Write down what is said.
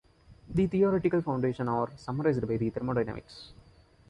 The theoretical foundations are summarized by Thermodynamics.